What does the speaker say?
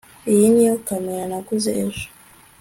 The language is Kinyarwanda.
iyi niyo kamera naguze ejo